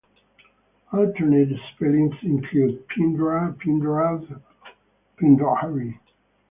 Alternate spellings include "Pindara", "Pindarah", "Pendhari".